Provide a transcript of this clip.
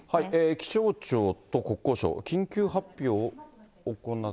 気象庁と国交省、緊急発表を。